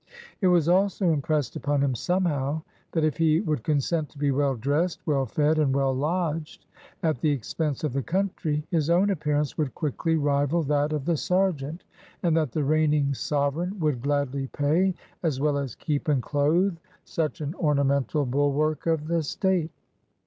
It was also impressed upon him, somehow, that if he would consent to be well dressed, well fed, and well lodged, at the expense of the country, his own appearance would quickly rival that of the sergeant, and that the reigning Sovereign would gladly pay, as well as keep and clothe, such an ornamental bulwark of the state.